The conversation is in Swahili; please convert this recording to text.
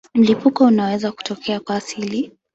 Mlipuko unaweza kutokea kwa asili.